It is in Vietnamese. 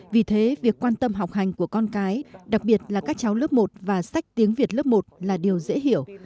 vì thế việc quan tâm học hành của con cái đặc biệt là các cháu lớp một và sách tiếng việt lớp một là điều dễ hiểu